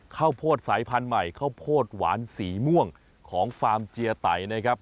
ข้าวโพดสายพันธุ์ใหม่ข้าวโพดหวานสีม่วงของฟาร์มเจียไตนะครับ